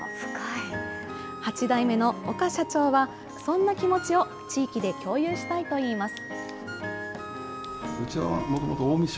８代目の岡社長は、そんな気持ちを地域で共有したいといいます。